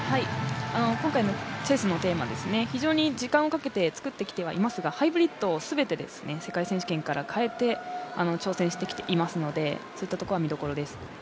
今回のチェスのテーマですね、非常に時間をかけて作ってきてはいますがハイブリッドを全て世界選手権から変えて挑戦してきていますのでそういったところは見どころです。